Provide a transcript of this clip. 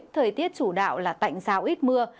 thời tiết chủ đạo là tạnh giáo ít mưa